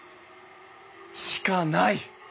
しかない！